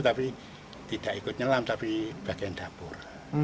tapi tidak ikut nyelam tapi bagian dapur